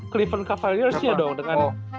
cleveland cavaliers nya dong dengan